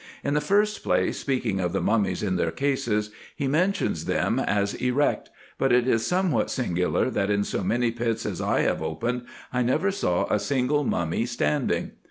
In the first place, speaking of the mummies in their cases, he mentions them as erect : but it is somewhat singular, that in so many pits as I have opened, I never saw a single mummy standing.